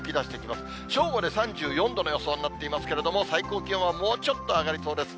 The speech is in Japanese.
正午で３４度の予想になっていますけれども、最高気温はもうちょっと上がりそうです。